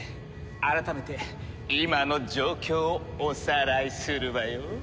改めて今の状況をおさらいするわよ。